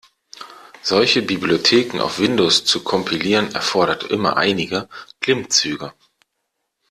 Solche Bibliotheken auf Windows zu kompilieren erfordert immer einige Klimmzüge.